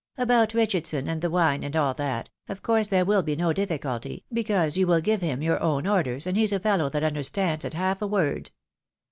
About Richardson, and the wine, and all that, of course there will be no difficulty, because you will give him your own orders, and he's a fellow that understands at half a word.